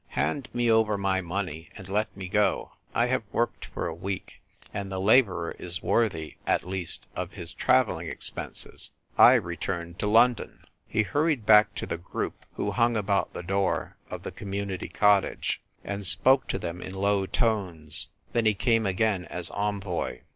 " Hand me over my money, and let me go ! I have worked for a week, and the labourer is worthy at least of his travelling expenses. I return to London." He hurried back to the group who hung about the door of the Community cottage, and spoke to them in low^ tones. Then he came again as envoy.